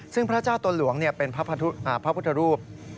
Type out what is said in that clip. ซึ่งพระเจ้าตนหลวงเป็นพระพุทธรูป